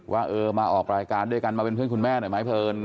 ว่าเออมาออกรายการด้วยกันมาเป็นเพื่อนคุณแม่หน่อยไหมเพลิน